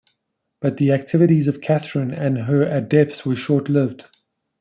But the activities of Catherine and her adepts were short-lived.